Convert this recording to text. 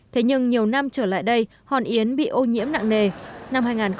thế nhưng nhiều năm trở lại đây hòn yến bị ô nhiễm nặng nề